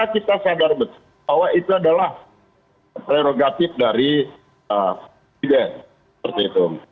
kita sadar bahwa itu adalah prerogatif dari presiden